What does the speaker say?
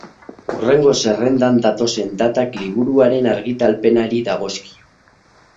Hurrengo zerrendan datozen datak liburuaren argitalpenari dagozkio.